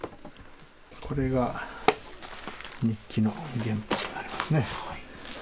これが日記の現物になりますね。